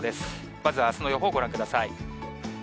まずはあすの予報をご覧ください。